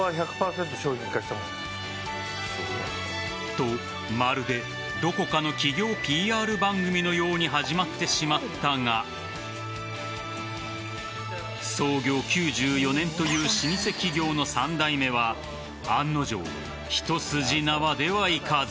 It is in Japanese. と、まるでどこかの企業ＰＲ番組のように始まってしまったが創業９４年という老舗企業の３代目は案の定、一筋縄ではいかず。